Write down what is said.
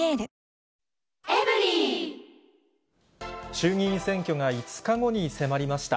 衆議院選挙が５日後に迫りました。